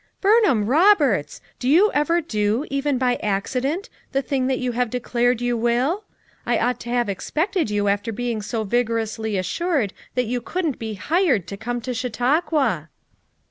"Burnham Roberts! Do you ever do, even by accident, the thing that you have declared you will! I ought to have expected you after being so vigorously assured that you couldn't be hired to come to Chautauqua."